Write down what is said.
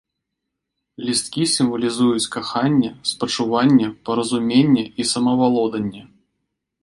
Лісткі сімвалізуюць каханне, спачуванне, паразуменне і самавалоданне.